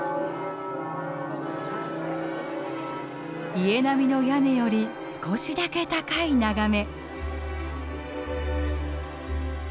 家並みの屋根より少しだけ高い眺め。